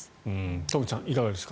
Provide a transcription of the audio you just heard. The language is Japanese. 東輝さん、いかがですか？